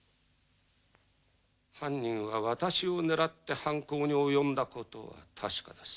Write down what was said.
犯人は私を狙って犯行に及んだことはたしかです。